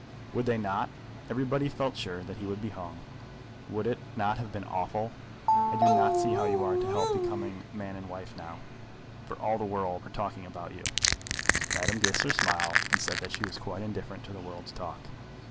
"Would they not? Everybody felt sure that he would be hung. Would it not have been awful? I do not see how you are to help becoming man and wife now, for all the world are talking about you." Madame Goesler smiled, and said that she was quite indifferent to the world's talk.